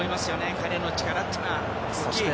彼の力っていうのは大きい。